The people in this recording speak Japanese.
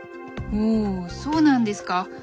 おそうなんですか。